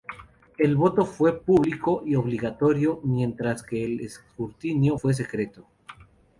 El voto fue público y obligatorio, mientras que el escrutinio fue secreto.